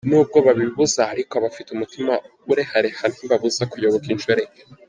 N’ubwo babibuza ariko abafite umutima urehareha ntibibabuza kuyoboka inshoreke.